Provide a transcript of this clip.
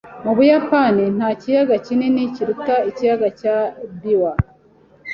Mu Buyapani, nta kiyaga kinini kiruta ikiyaga cya Biwa